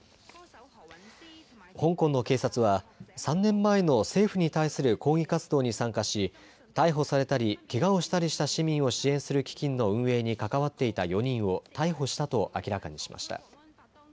香港の警察は３年前の政府に対する抗議活動に参加し逮捕されたり、けがをしたりした市民を支援する基金の運営に関わっていた４人を逮捕したと明らかにしました。